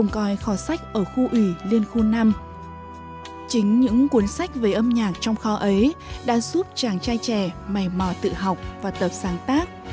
chính những cuốn sách về âm nhạc trong kho ấy đã giúp chàng trai trẻ mầy mò tự học và tập sáng tác